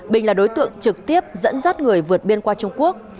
bình là đối tượng trực tiếp dẫn dắt người vượt biên qua trung quốc